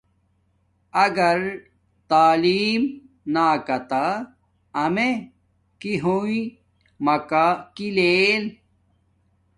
اگر تعلیم نا کاتہ امیے کی ہوم ماکا کی لیل